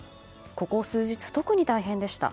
ここ数日、特に大変でした。